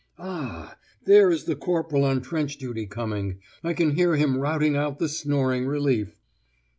Ah! there is the corporal on trench duty coming. I can hear him routing out the snoring relief.